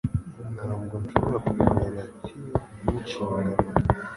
Ntabwo nshobora kuremerera Theo n'inshingano